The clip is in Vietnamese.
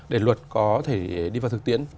để luật có thể đi vào thực tiễn